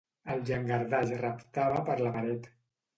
El llangardaix reptava per la paret.